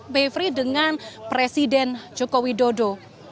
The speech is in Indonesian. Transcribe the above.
mevri dengan presiden joko widodo